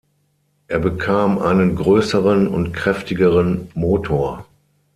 Er bekam einen größeren und kräftigeren Motor.